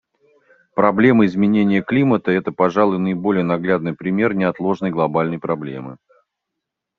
Проблема изменения климата — это, пожалуй, наиболее наглядный пример неотложной глобальной проблемы.